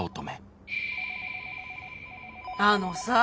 あのさぁ。